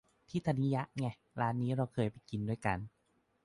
ที่ธนิยะไง ร้านนี้เราเคยไปกินด้วยกัน